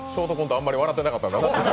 あまり笑ってなかったんだなと。